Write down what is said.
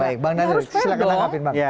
baik bang nadi